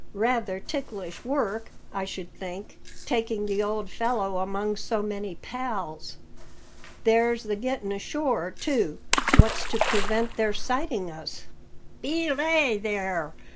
Rather ticklish work, I should think, taking the old fellow among so many pals. There's the getting ashore, too; what's to prevent their sighting us?" "Belay there!"